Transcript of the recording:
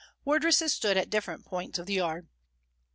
Wardresses stood at different points of the yard.